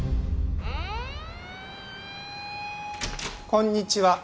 こんにちは。